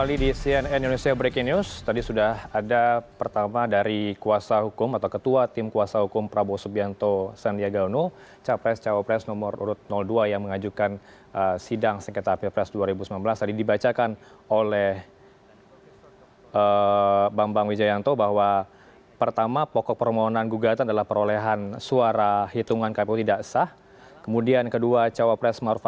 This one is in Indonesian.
indonesia breaking news